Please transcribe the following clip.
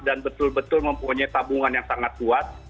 dan betul betul mempunyai tabungan yang sangat kuat